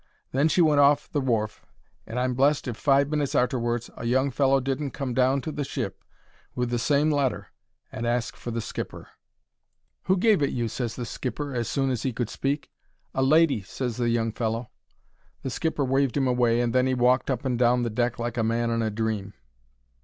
Then she went off the wharf, and I'm blest if, five minutes arterwards, a young fellow didn't come down to the ship with the same letter and ask for the skipper. "Who gave it you?" ses the skipper, as soon as 'e could speak. "A lady," ses the young fellow. The skipper waved 'im away, and then 'e walked up and down the deck like a man in a dream.